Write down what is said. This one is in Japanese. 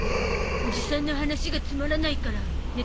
おじさんの話がつまらないから寝ただけだゾ。